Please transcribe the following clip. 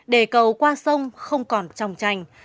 để cầu qua sông không còn tròng chành